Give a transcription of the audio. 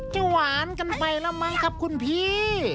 หวานกันไปแล้วมั้งครับคุณพี่